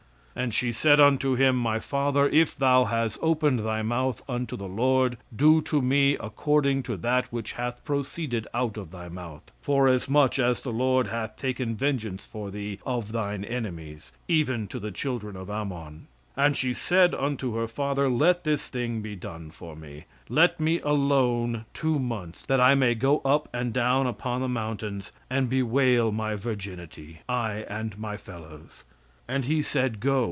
"And she said unto him, My father, if thou has opened thy mouth unto the Lord, do to me according to that which hath proceeded out of thy mouth; forasmuch as the Lord hath taken vengeance for thee of thine enemies, even to the children of Ammon. "And she said unto her father, Let this thing be done for me: let me alone two months, that I may go up and down upon the mountains, and bewail my virginity, I and my fellows. "And he said, Go.